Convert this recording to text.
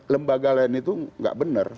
lembaga lain itu nggak benar